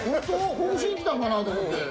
ほぐしに来たんかなと思って。